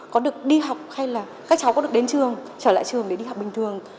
có được đi học hay là các cháu có được đến trường trở lại trường để đi học bình thường